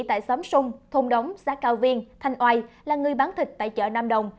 tại xóm sung thôn đống xã cao viên thành oai là người bán thịt tại chợ nam đồng